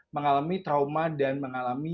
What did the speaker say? mengalami trauma dan mengalami